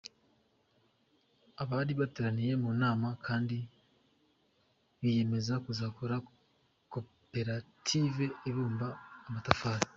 Abari bateraniye mu nama kandi biyemeje kuzakora koperative ibumba amatafari.